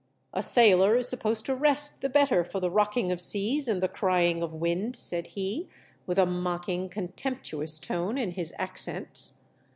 "A sailor is supposed to rest the better for the rocking of seas and the crying of wind," said he, with a mocking, contemptuous tone in his accents.